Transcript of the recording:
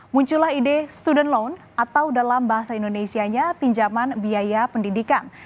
muncullah ide student loan atau dalam bahasa indonesianya pinjaman biaya pendidikan